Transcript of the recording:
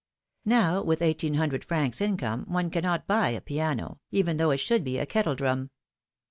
Now, with eighteen hundred francs income, one cannot buy a piano, even though it should be a kettle drum.